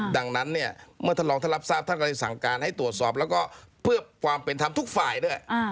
ดังนั้นเนี่ยเมื่อท่านรองท่านรับทราบท่านก็เลยสั่งการให้ตรวจสอบแล้วก็เพื่อความเป็นธรรมทุกฝ่ายด้วย